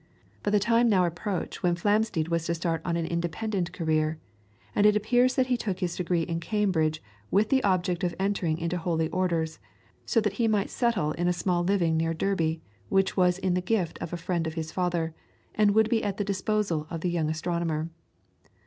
But the time now approached when Flamsteed was to start on an independent career, and it appears that he took his degree in Cambridge with the object of entering into holy orders, so that he might settle in a small living near Derby, which was in the gift of a friend of his father, and would be at the disposal of the young astronomer.